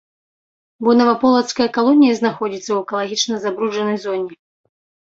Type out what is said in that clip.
Бо наваполацкая калонія знаходзіцца ў экалагічна забруджанай зоне.